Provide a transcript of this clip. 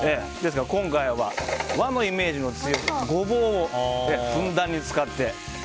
今回は和のイメージの強いゴボウをふんだんに使って。